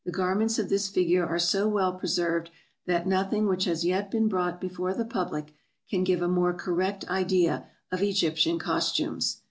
The garments of this figure are so well preserved that nothing which has yet been brought before the public can give a more correct idea of Egyptian costumes.